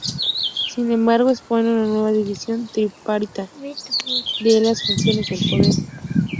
Sin embargo expone una nueva división tripartita de las funciones del poder.